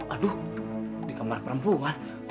aduh di kamar perempuan